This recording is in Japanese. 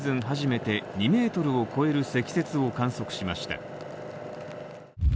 初めて２ｍを超える積雪を観測しました。